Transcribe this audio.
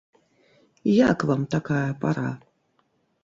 Як вам такая пара?